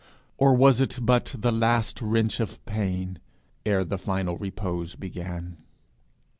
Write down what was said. Or was it but the last wrench of pain ere the final repose began?